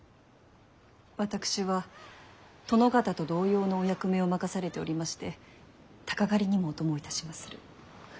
私は殿方と同様のお役目を任されておりまして鷹狩りにもお供いたしまする。